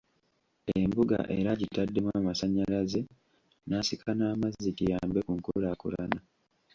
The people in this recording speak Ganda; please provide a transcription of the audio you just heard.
Embuga era agitaddemu amasannyalaze n’asika n’amazzi kiyambe ku nkulaakulana.